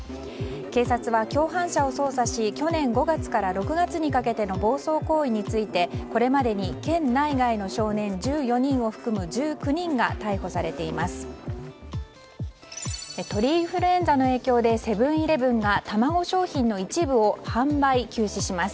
警察は共犯者を捜査し去年５月から６月にかけての暴走行為についてこれまでに県内外の少年１４人を含む１９人が逮捕されています。